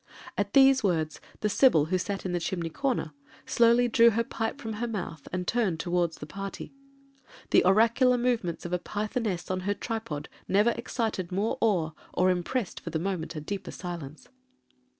At these words the Sybil who sat in the chimney corner slowly drew her pipe from her mouth, and turned towards the party: The oracular movements of a Pythoness on her tripod never excited more awe, or impressed for the moment a deeper silence.